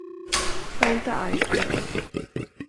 Var inte arg på mig.